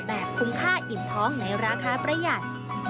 คุ้มค่าอิ่มท้องในราคาประหยัด